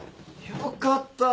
よかったぁ。